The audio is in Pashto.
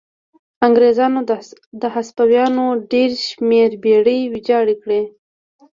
انګرېزانو د هسپانویانو ډېر شمېر بېړۍ ویجاړې کړې.